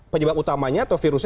penyebab utamanya atau virusnya